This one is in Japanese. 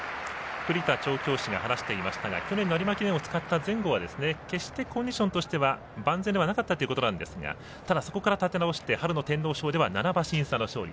栗田調教師が話していましたが去年の有馬記念を使った前後は決してコンディションとしては万全ではなかったということなんですがただ、そこから立て直して春の天皇賞では７馬身差の勝利。